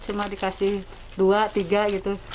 cuma dikasih dua tiga gitu